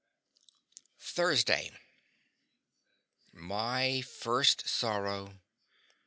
THURSDAY. my first sorrow.